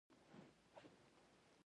غریب له پاکې مینې نه ژوند اخلي